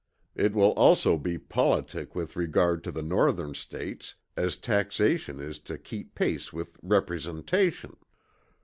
It will also be politic with regard to the Northern States, as taxation is to keep pace with Representation."